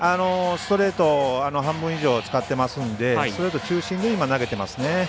ストレート半分以上、使ってますのでストレート中心に今、投げていますね。